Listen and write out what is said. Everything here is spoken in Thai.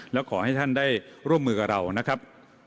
และขอให้ท่านได้ร่วมมือกับเรานะครับ